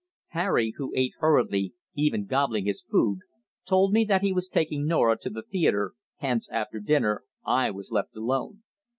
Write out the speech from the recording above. Harry, who ate hurriedly even gobbling his food told me that he was taking Norah to the theatre, hence, after dinner, I was left alone.